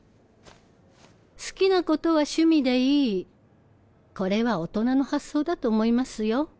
好きなことは趣味でいいこれは大人の発想だと思いますよ。